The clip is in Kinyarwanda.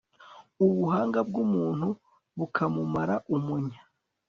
ubuhanga bw'umuntu bukamumara umunya